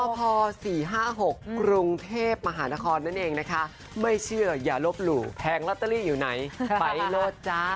พอ๔๕๖กรุงเทพมหานครนั่นเองนะคะไม่เชื่ออย่าลบหลู่แผงลอตเตอรี่อยู่ไหนไปเลิศจ้า